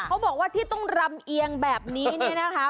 เขาบอกว่าที่ต้องรำเอียงแบบนี้เนี่ยนะคะ